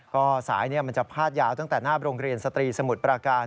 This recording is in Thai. ก็สายมันจะพาดยาวตั้งแต่หน้าโรงเรียนสตรีสมุทรปราการ